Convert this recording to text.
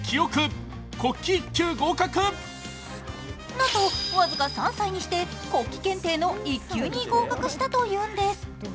なんと僅か３歳にして国旗検定の１級に合格したというのです。